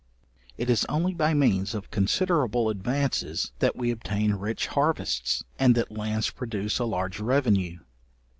It is only by means of considerable advances, that we obtain rich harvests, and that lands produce a large revenue.